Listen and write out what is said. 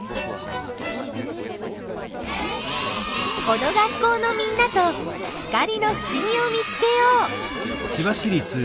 この学校のみんなと光のふしぎを見つけよう！